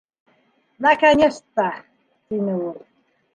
— Наконец-то... — тине ул.